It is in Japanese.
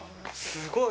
すごい。